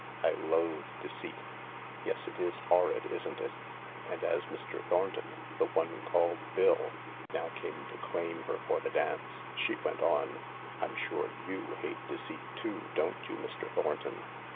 I loathe deceit." " Yes, it is horrid, isn't it ?" And as Mr. Thornton— the one called Bill— now came to claim her for the dance, she went on :" I'm sure you hate deceit too, don't you, Mr. Thornton